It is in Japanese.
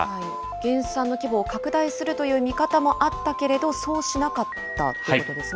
減産の規模を拡大するという見方もあったけれど、そうしなかったということですね。